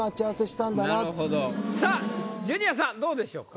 さあジュニアさんどうでしょうか？